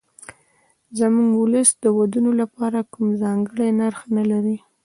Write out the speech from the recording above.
زموږ ولس د ودونو لپاره کوم ځانګړی نرخ نه لري.